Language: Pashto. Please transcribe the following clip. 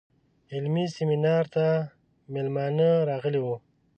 علمي سیمینار ته میلمانه راغلي وو.